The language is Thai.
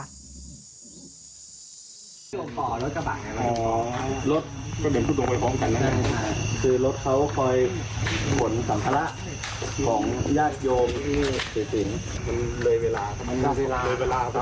ขอรถกระต่๋า